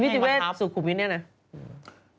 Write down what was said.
สมิติเวศน์สุขุมินเนี่ยไหน